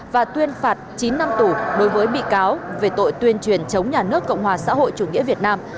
và tuyên phạt chín năm tù đối với bị cáo về tội tuyên truyền chống nhà nước cộng hòa xã hội chủ nghĩa việt nam